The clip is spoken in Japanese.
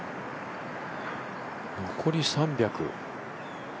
残り３００。